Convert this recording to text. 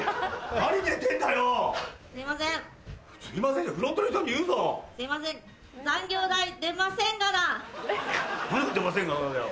何が「出ませんがな」だよ。